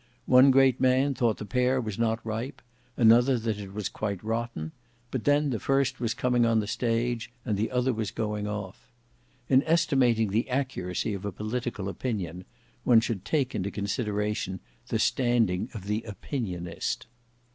One great man thought the pear was not ripe; another that it was quite rotten; but then the first was coming on the stage, and the other was going off. In estimating the accuracy of a political opinion, one should take into consideration the standing of the opinionist.